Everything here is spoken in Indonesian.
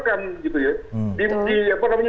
dikoyokkan gitu ya